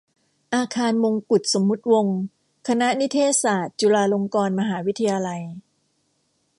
อาคารมงกุฏสมมติวงศ์ คณะนิเทศศาสตร์ จุฬาลงกรณ์มหาวิทยาลัย